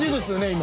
今。